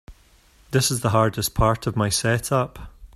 This is the hardest part of my setup.